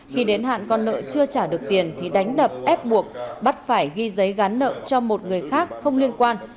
khi đến hạn con nợ chưa trả được tiền thì đánh đập ép buộc bắt phải ghi giấy gắn nợ cho một người khác không liên quan